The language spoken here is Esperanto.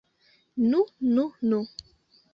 Nu, nu, nu!